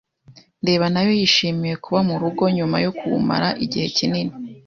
ndeba nayo yishimiye kuba murugo nyuma yo kumara igihe kinini.